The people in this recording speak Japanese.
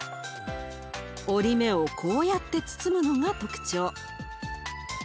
折り目をこうやって包むのが特徴。